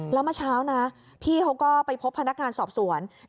แล้วเมื่อเช้านะพี่เขาก็ไปพบพนักงานสอบสวน